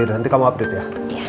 nanti kamu update ya